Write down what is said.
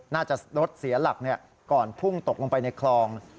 น่าจะรถเสียหลักก่อนพุ่งตกลงไปในคลอง